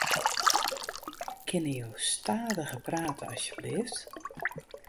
Kinne jo stadiger prate asjebleaft?